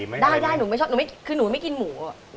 ได้หนูไม่ชอบหนูไม่กินหมู